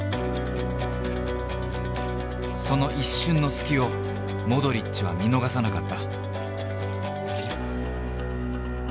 その一瞬の隙をモドリッチは見逃さなかった。